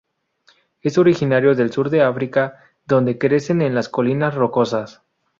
Es originario del sur de África, donde crecen en las colinas rocosas.